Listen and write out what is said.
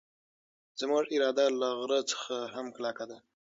زموږ اراده له غره څخه هم کلکه ده.